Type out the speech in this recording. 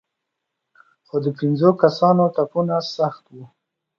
خو د پېنځو کسانو ټپونه سخت وو.